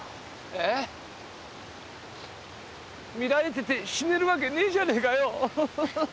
ええ⁉見られてて死ねるわけねえじゃねえかよ。